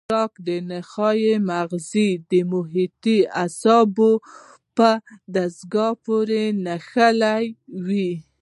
شوکي نخاع مغز د محیطي اعصابو په دستګاه پورې نښلوي.